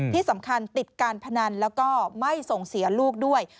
ที่สำคัญติดการพนันแล้วก็ไม่ส่งเสียลูกด้วย